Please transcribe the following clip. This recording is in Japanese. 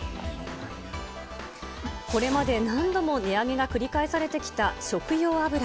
これまで何度も値上げが繰り返されてきた食用油。